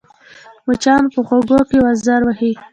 مچان په غوږو کې وزر وهي